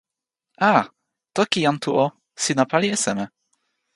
a! toki, jan Tu o! sina pali e seme?